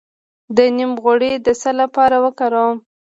د نیم غوړي د څه لپاره وکاروم؟